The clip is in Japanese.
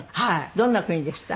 どんな国でした？